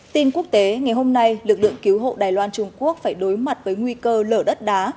tin quốc tế ngày hôm nay lực lượng cứu hộ đài loan trung quốc phải đối mặt với nguy cơ lở đất đá